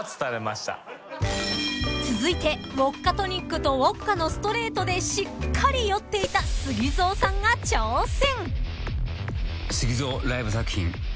［続いてウオッカトニックとウオッカのストレートでしっかり酔っていたＳＵＧＩＺＯさんが挑戦］